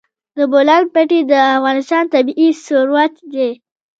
د بولان پټي د افغانستان طبعي ثروت دی.